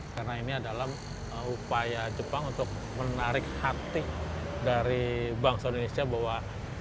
karena ini adalah upaya jepang untuk menarik hati dari bangsa indonesia bahwa